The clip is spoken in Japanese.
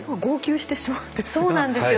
そうなんですよ